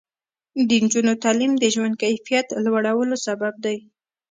د نجونو تعلیم د ژوند کیفیت لوړولو سبب دی.